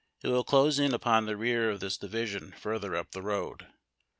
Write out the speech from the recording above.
It will close in upon the rear of this division farther up the road.